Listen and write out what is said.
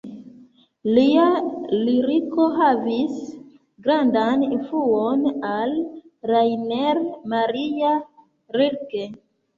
Lia liriko havis grandan influon al Rainer Maria Rilke.